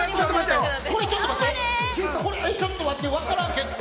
ちょっと待って分からん、結構。